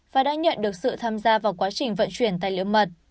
và đã nhận được sự tham gia vào quá trình vận chuyển tài liệu mật